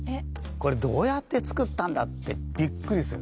これどうやって作ったんだってびっくりする。